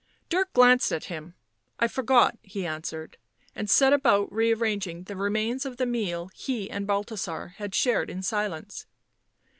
Dirk glanced at him. " I forgot," he answered, and set about re arranging the remains of the meal he and Balthasar had shared in silence.